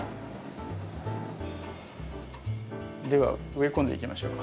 では植え込んでいきましょう。